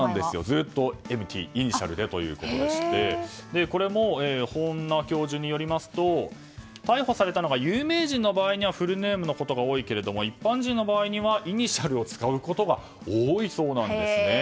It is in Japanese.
ずっとイニシャルでしてこれも本名教授によりますと逮捕されたのが有名人の場合にはフルネームのことが多いけれども一般人の場合にはイニシャルを使うことが多いそうです。